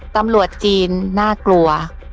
ตำรวจจีนน่ากลัว